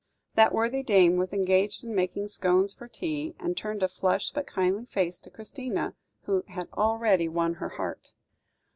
That worthy dame was engaged in making scones for tea, and turned a flushed but kindly face to Christina, who had already won her heart.